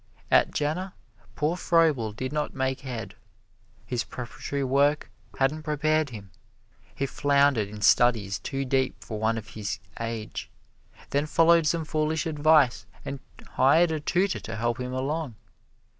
At Jena poor Froebel did not make head. His preparatory work hadn't prepared him. He floundered in studies too deep for one of his age, then followed some foolish advice and hired a tutor to help him along.